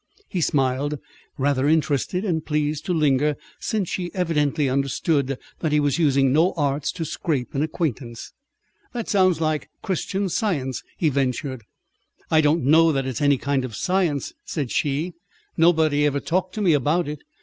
He smiled, rather interested, and pleased to linger, since she evidently understood that he was using no arts to scrape an acquaintance. "That sounds like Christian Science," he ventured. "I don't know that it's any kind of science," said she. "Nobody ever talked to me about it.